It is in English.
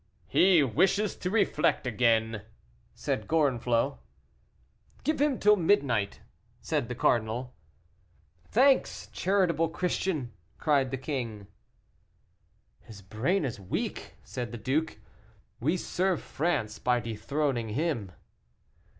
"He wishes to reflect again," said Gorenflot. "Give him till midnight," said the cardinal. "Thanks, charitable Christian!" cried the king: "His brain is weak," said the duke; "we serve France by dethroning him."